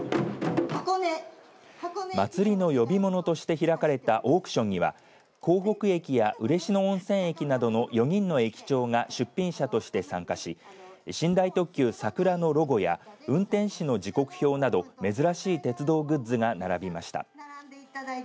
祭りの呼び物として開かれたオークションには江北駅や嬉野温泉駅などの４人の駅長が出品者として参加し寝台特急さくらのロゴや運転士の時刻表など珍しい鉄道グッズが並びました。